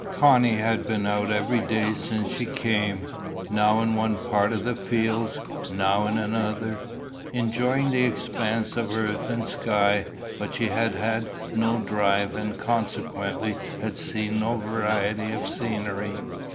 Connie had been out every day since she came, now in one part of the fields, now in another, enjoying the expanse of earth and sky, but she had had no drive, and consequently had seen no variety of scenery.